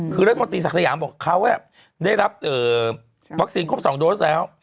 คือรัฐมนตรีศักดิ์สยามบอกเขาได้รับวัคซีนครบ๒โดสแล้ว